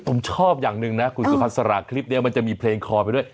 ผมชอบอย่างหนึ่งนะคุณสุภาษาคลิปนี้มันจะมีเพลงคอไปด้วย